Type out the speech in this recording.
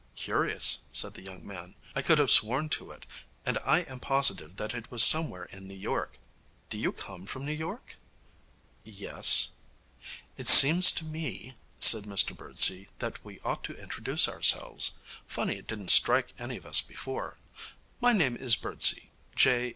'Curious,' said the young man. 'I could have sworn to it, and I am positive that it was somewhere in New York. Do you come from New York?' 'Yes.' 'It seems to me,' said Mr Birdsey, 'that we ought to introduce ourselves. Funny it didn't strike any of us before. My name is Birdsey, J.